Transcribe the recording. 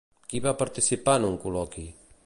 Qui va participar en un col·loqui?